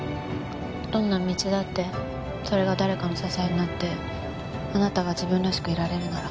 どんな道だってそれが誰かの支えになってあなたが自分らしくいられるなら。